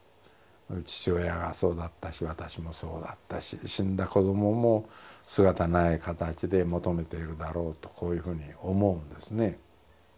父親がそうだったし私もそうだったし死んだ子どもも姿ない形で求めているだろうとこういうふうに思うんですね。